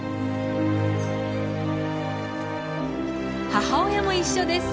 母親も一緒です。